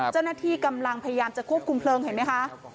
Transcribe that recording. เจ้าหน้าที่กำลังพยายามจะควบคุมเพลิงเห็นไหมคะ